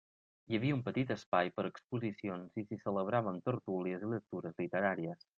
Hi havia un petit espai per a exposicions i s'hi celebraven tertúlies i lectures literàries.